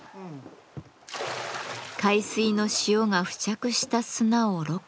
海水の塩が付着した砂をろ過。